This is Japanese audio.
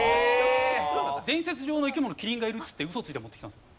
「伝説上の生き物麒麟がいる」って言ってウソついて持ってきたんですよ。